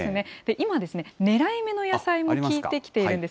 今ですね、狙い目の野菜も聞いてきているんです。